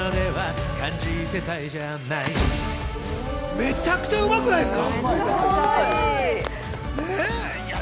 めちゃくちゃうまくないですか？